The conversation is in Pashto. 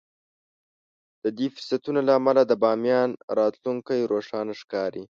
د دې فرصتونو له امله د باميان راتلونکی روښانه ښکاري.